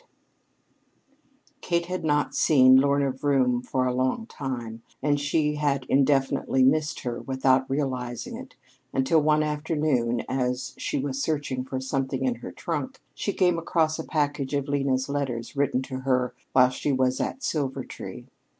VIII Kate had not seen Lena Vroom for a long time, and she had indefinitely missed her without realizing it until one afternoon, as she was searching for something in her trunk, she came across a package of Lena's letters written to her while she was at Silvertree.